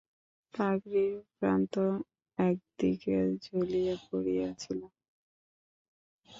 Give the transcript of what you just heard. পাগড়ির প্রান্ত একদিকে ঝুলিয়া পড়িয়াছিল।